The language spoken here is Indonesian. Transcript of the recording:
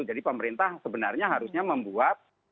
jadi pemerintah sebenarnya harusnya membuat